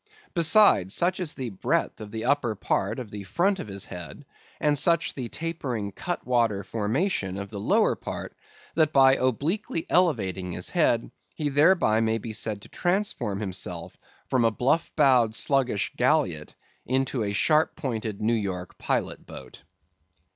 Besides, such is the breadth of the upper part of the front of his head, and such the tapering cut water formation of the lower part, that by obliquely elevating his head, he thereby may be said to transform himself from a bluff bowed sluggish galliot into a sharppointed New York pilot boat.